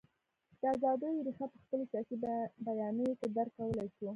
د ازادیو رېښه په خپلو سیاسي بیانیو کې درک کولای شو.